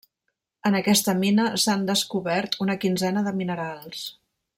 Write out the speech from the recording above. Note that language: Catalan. En aquesta mina s'han descobert una quinzena de minerals.